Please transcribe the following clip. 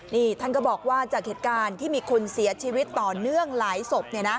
นี่ท่านก็บอกว่าจากเหตุการณ์ที่มีคนเสียชีวิตต่อเนื่องหลายศพ